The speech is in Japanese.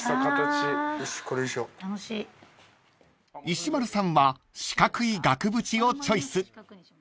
［石丸さんは四角い額縁をチョイス］